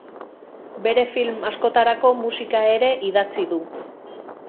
Bere film askotarako musika ere idatzi du.